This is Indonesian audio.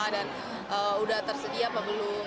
dan udah tersedia apa belum